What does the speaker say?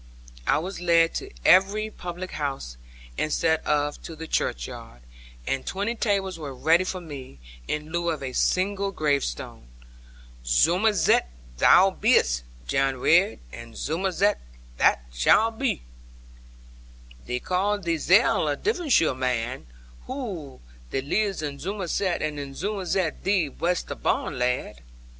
I was led to every public house, instead of to the churchyard; and twenty tables were ready for me, in lieu of a single gravestone. 'Zummerzett thou bee'st, Jan Ridd, and Zummerzett thou shalt be. Thee carl theezell a Davonsheer man! Whoy, thee lives in Zummerzett; and in Zummerzett thee wast barn, lad.'